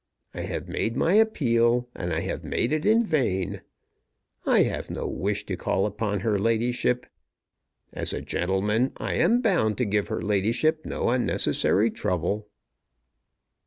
I have made my appeal, and I have made it in vain. I have no wish to call upon her ladyship. As a gentleman I am bound to give her ladyship no unnecessary trouble."